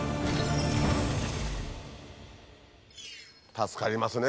助かりますね